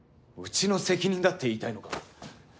うちの責任だって言いたいのか？